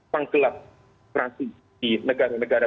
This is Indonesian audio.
panggilan transisi negara negara berkembang